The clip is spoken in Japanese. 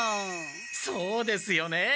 そうですよね。